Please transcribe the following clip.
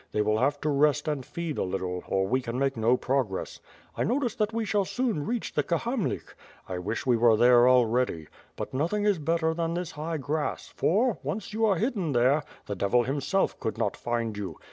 They will have to rest and feed a little, or we can make no progress. I notice that we shall soon reach the Kahamlik. I wish we were there already. But nothing is better than this high grass, for, once you are hidden there, the devil himself could not find you.